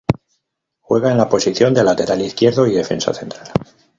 Juega en la posición de lateral izquierdo y defensa central.